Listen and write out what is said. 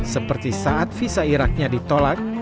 seperti saat visa iraknya ditolak